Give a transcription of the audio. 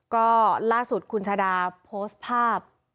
ก็ล่าสุดคุณชาดาโพสต์ภาพ